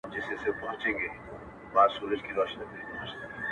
ما مي د هسک وطن له هسکو غرو غرور راوړئ